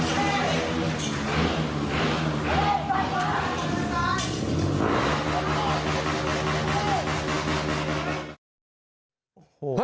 พอไม่ต้องพอไม่ต้องออกมา